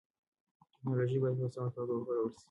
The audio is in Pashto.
ټیکنالوژي باید په سمه توګه وکارول سي.